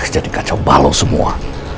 jadi kacau balau semua